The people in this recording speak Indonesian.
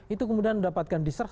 itu kemudian mendapatkan diserah